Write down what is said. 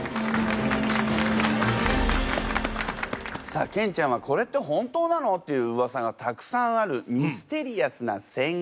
さあケンちゃんは「これって本当なの？」っていうウワサがたくさんあるミステリアスな戦国武将。